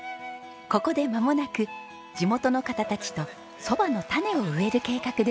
ここでまもなく地元の方たちとソバの種を植える計画です。